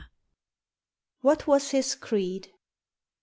WHAT WAS HIS CREED?